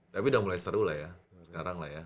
tapi udah mulai seru lah ya sekarang lah ya